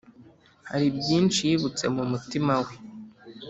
hari byinshi yibutse mu mutima we